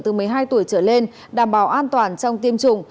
từ một mươi hai tuổi trở lên đảm bảo an toàn trong tiêm chủng